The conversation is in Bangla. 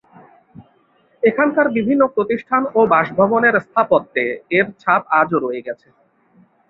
এখানকার বিভিন্ন প্রতিষ্ঠান ও বাসভবনের স্থাপত্যে এর ছাপ আজও রয়ে গেছে।